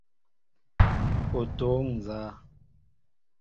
O toóŋ nzá ?